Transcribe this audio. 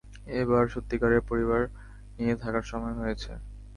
এবার সত্যিকারের পরিবার নিয়ে থাকার সময় হয়েছে।